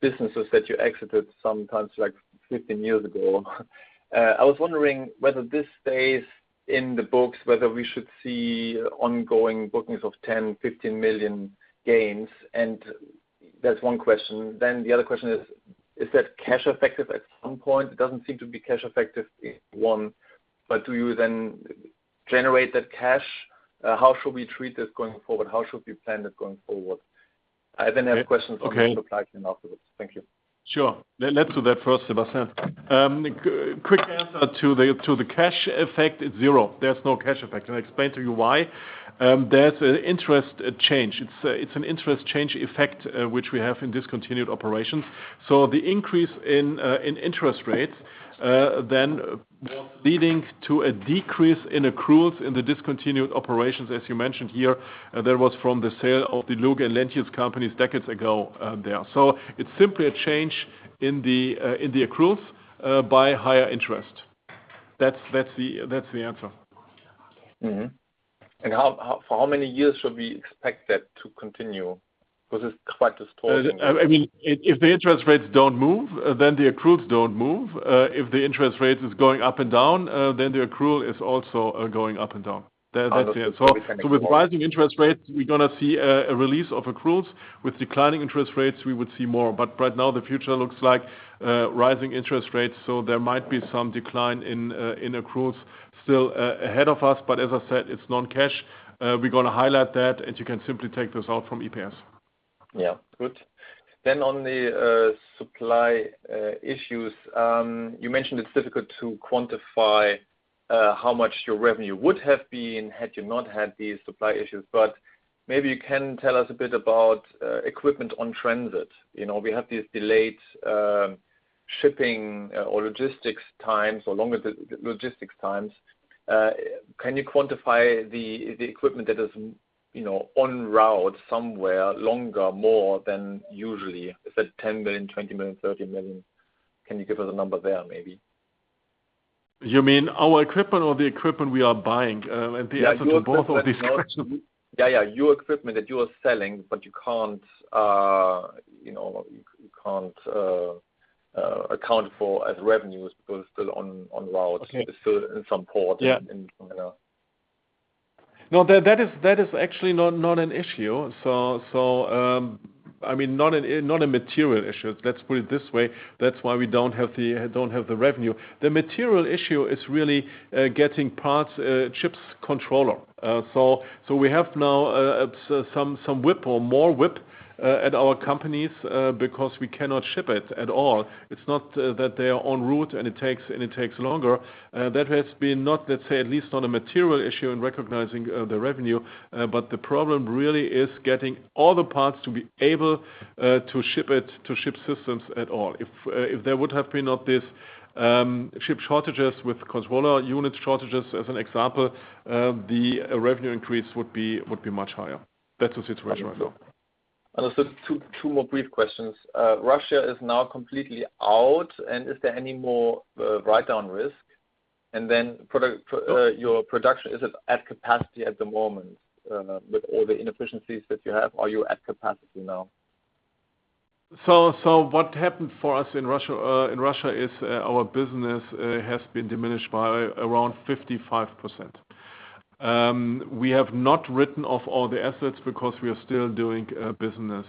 businesses that you exited sometimes, like, 15 years ago. I was wondering whether this stays in the books, whether we should see ongoing bookings of 10 million, 15 million gains, and that's one question. The other question is that cash effective at some point? It doesn't seem to be cash effective, one, but do you then generate that cash? How should we treat this going forward? How should we plan this going forward? I have questions on the supply chain afterwards. Thank you. Let's do that first, Sebastian. Quick answer to the cash effect is zero. There's no cash effect, and I'll explain to you why. There's an interest change. It's an interest change effect, which we have in discontinued operations. The increase in interest rates then leading to a decrease in accruals in the discontinued operations, as you mentioned here. That was from the sale of the Lurgi and Lentjes companies decades ago. It's simply a change in the accruals by higher interest. That's the answer. For how many years should we expect that to continue? Because it's quite distorting. I mean, if the interest rates don't move, then the accruals don't move. If the interest rate is going up and down, then the accrual is also going up and down. That's it. Oh, it's only depending on. With rising interest rates, we're gonna see a release of accruals. With declining interest rates, we would see more. Right now, the future looks like rising interest rates, so there might be some decline in accruals still ahead of us. As I said, it's non-cash. We're gonna highlight that, and you can simply take this out from EPS. Yeah. Good. On the supply issues, you mentioned it's difficult to quantify how much your revenue would have been had you not had these supply issues. Maybe you can tell us a bit about equipment on transit. You know, we have these delayed shipping or logistics times or longer logistics times. Can you quantify the equipment that is, you know, en route somewhere longer, more than usually? Is that 10 million, 20 million, 30 million? Can you give us a number there maybe? You mean our equipment or the equipment we are buying? The answer to both of these questions. Your equipment that you are selling, but you can't, you know, you can't account for as revenues because it's still en route. Okay. It's still in some port. Yeah in, you know. No, that is actually not an issue. I mean, not a material issue. Let's put it this way. That's why we don't have the revenue. The material issue is really getting parts, chip controllers. We have now some WIP or more WIP at our companies because we cannot ship it at all. It's not that they are en route and it takes longer. That has not been, let's say, at least a material issue in recognizing the revenue. The problem really is getting all the parts to be able to ship it, to ship systems at all. If there would have been not this chip shortages with controller unit shortages as an example, the revenue increase would be much higher. That's the situation right now. Understood. Two more brief questions. Russia is now completely out, and is there any more write-down risk? No Your production, is it at capacity at the moment, with all the inefficiencies that you have? Are you at capacity now? What happened for us in Russia is our business has been diminished by around 55%. We have not written off all the assets because we are still doing business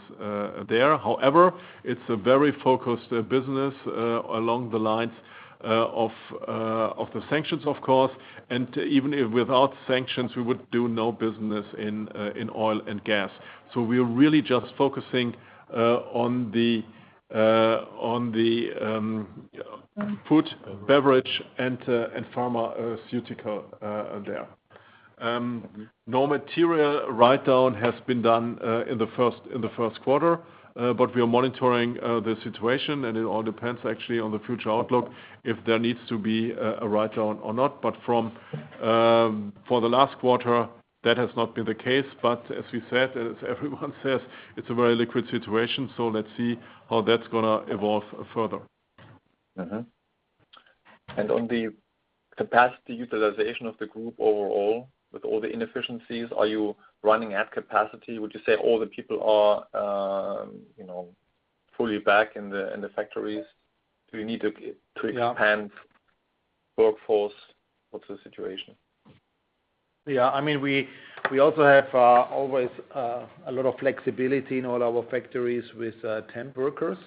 there. However, it's a very focused business along the lines of the sanctions, of course. Even if without sanctions, we would do no business in oil and gas. We are really just focusing on the food, beverage and pharmaceutical there. No material write-down has been done in the first quarter. But we are monitoring the situation and it all depends actually on the future outlook if there needs to be a write-down or not. From for the last quarter, that has not been the case. As we said, as everyone says, it's a very liquid situation, so let's see how that's gonna evolve further. Mm-hmm. On the capacity utilization of the group overall, with all the inefficiencies, are you running at capacity? Would you say all the people are, you know, fully back in the factories? Do you need to expand? Yeah Workforce? What's the situation? Yeah, I mean, we also have always a lot of flexibility in all our factories with temp workers.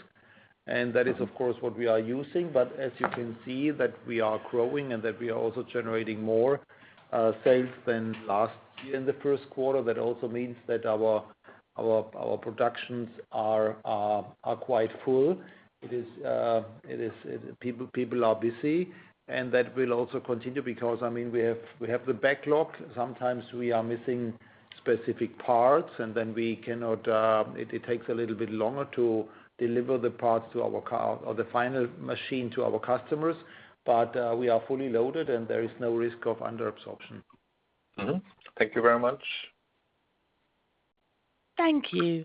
That is of course what we are using. As you can see that we are growing and that we are also generating more sales than last year in the first quarter. That also means that our productions are quite full. People are busy, and that will also continue because, I mean, we have the backlog. Sometimes we are missing specific parts and then it takes a little bit longer to deliver the final machine to our customers. We are fully loaded and there is no risk of under absorption. Mm-hmm. Thank you very much. Thank you.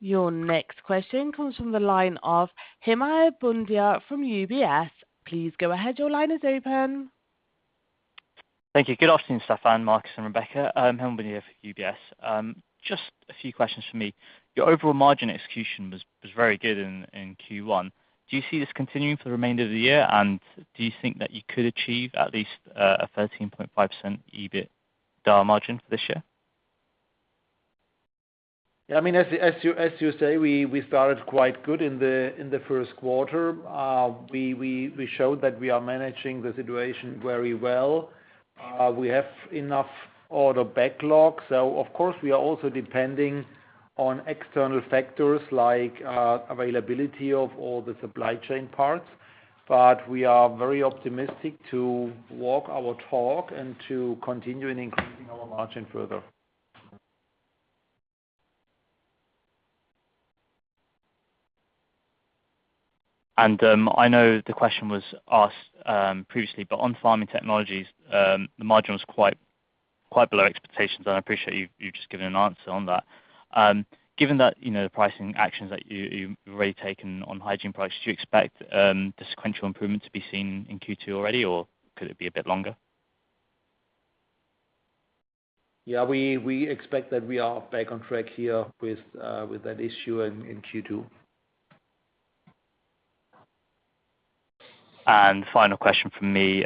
Your next question comes from the line of Himaya Bundya from UBS. Please go ahead. Your line is open. Thank you. Good afternoon, Stefan, Marcus Ketter and Rebecca Weigl. Himaya Bundya from UBS. Just a few questions from me. Your overall margin execution was very good in Q1. Do you see this continuing for the remainder of the year, and do you think that you could achieve at least a 13.5% EBITDA margin for this year? Yeah. I mean, as you say, we started quite good in the first quarter. We showed that we are managing the situation very well. We have enough order backlog, so of course, we are also depending on external factors like availability of all the supply chain parts. We are very optimistic to walk our talk and to continue in increasing our margin further. I know the question was asked previously, but on Farm Technologies, the margin was quite below expectations. I appreciate you've just given an answer on that. Given that, you know, the pricing actions that you've already taken on hygiene price, do you expect the sequential improvement to be seen in Q2 already, or could it be a bit longer? Yeah. We expect that we are back on track here with that issue in Q2. Final question from me.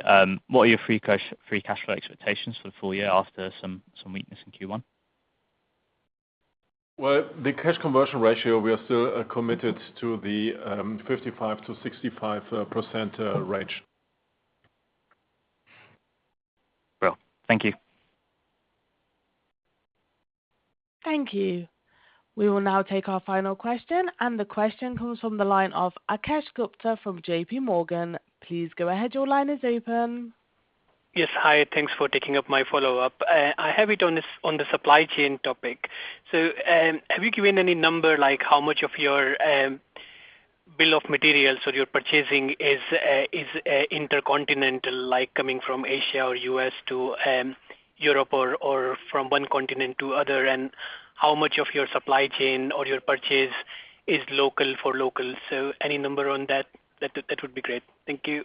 What are your free cash flow expectations for the full year after some weakness in Q1? Well, the cash conversion ratio, we are still committed to the 55%-65% range. Well, thank you. Thank you. We will now take our final question, and the question comes from the line of Akash Gupta from J.P. Morgan. Please go ahead. Your line is open. Yes. Hi. Thanks for taking up my follow-up. I have it on the supply chain topic. Have you given any number, like how much of your bill of materials or your purchasing is intercontinental, like coming from Asia or U.S. to Europe or from one continent to other, and how much of your supply chain or your purchase is local for local? Any number on that would be great. Thank you.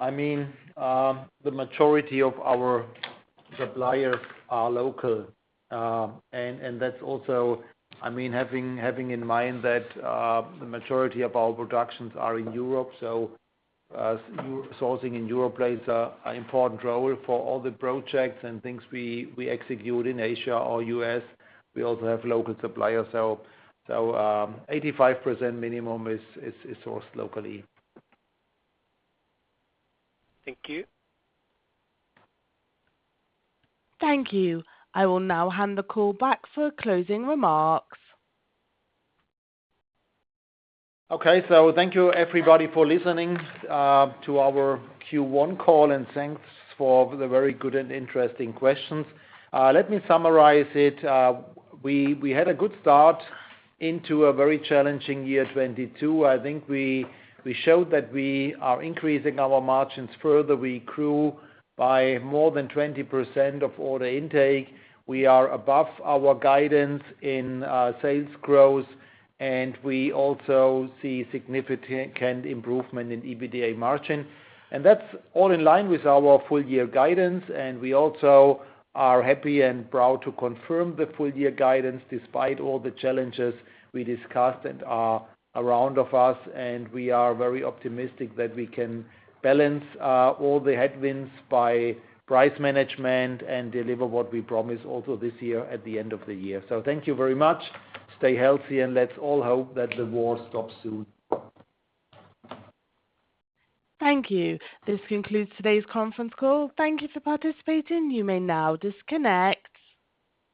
I mean, the majority of our suppliers are local. That's also, I mean, having in mind that the majority of our productions are in Europe. Sourcing in Europe plays an important role for all the projects and things we execute in Asia or US. We also have local suppliers. 85% minimum is sourced locally. Thank you. Thank you. I will now hand the call back for closing remarks. Okay. Thank you everybody for listening to our Q1 call, and thanks for the very good and interesting questions. Let me summarize it. We had a good start into a very challenging year 2022. I think we showed that we are increasing our margins further. We grew by more than 20% of order intake. We are above our guidance in sales growth, and we also see significant improvement in EBITDA margin. That's all in line with our full year guidance, and we also are happy and proud to confirm the full year guidance despite all the challenges we discussed and are around of us. We are very optimistic that we can balance all the headwinds by price management and deliver what we promised also this year at the end of the year. Thank you very much. Stay healthy, and let's all hope that the war stops soon. Thank you. This concludes today's conference call. Thank you for participating. You may now disconnect.